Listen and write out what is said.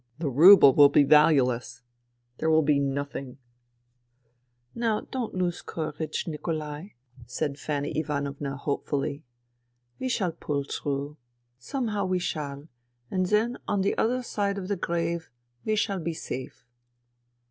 The rouble will be valueless. There will be nothing, ..."" Now don't lose courage, Nikolai," said Fanny 104 FUTILITY Ivanovna hopefully. " We shall pull through ; some how we shall ; and then on the other side of the grave we shall be safe."